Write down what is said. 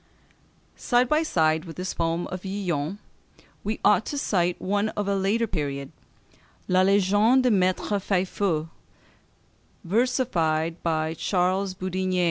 Side by side with this poem of Yillon we ought to cite one of a later period "La Légende de Maître Faifeu," versified by Charles Boudigné.